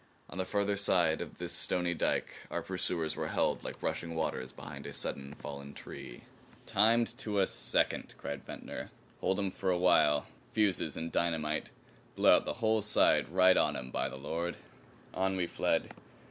On the farther side of this stony dike our pursuers were held like rushing waters behind a sudden fallen tree. "Timed to a second!" cried Ventnor. "Hold 'em for a while. Fuses and dynamite. Blew out the whole side, right on 'em, by the Lord!" On we fled.